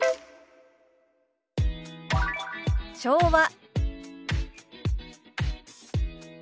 「昭和」。